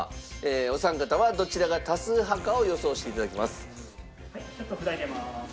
お三方はどちらが多数派かを予想して頂きます。